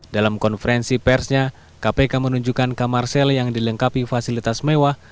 dalam konferensi persnya kpk menunjukkan kamar sel yang dilengkapi fasilitas mewah